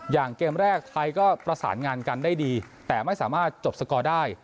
อย่างเกมแรกไทยก็ประสานงานกันได้ดีแต่ไม่สามารถจบสกอร์ได้